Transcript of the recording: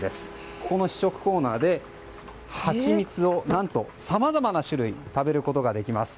この試食コーナーでハチミツを何と、さまざまな種類食べることができます。